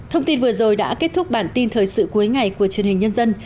thông tin vừa rồi đã kết thúc bản tin thời sự cuối ngày của truyền hình nhân dân